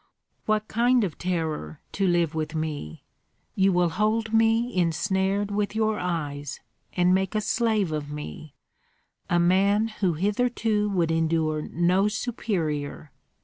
What kind of terror to live with me? You will hold me ensnared with your eyes, and make a slave of me, a man who hitherto would endure no superior.